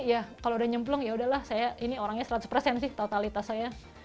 ya kalau udah nyemplung yaudahlah saya ini orangnya seratus persen sih totalitas saya